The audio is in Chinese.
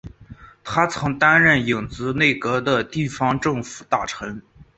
他曾经担任影子内阁的地方政府大臣。